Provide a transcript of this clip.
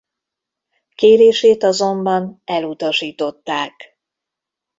Kérését azonban elutasították.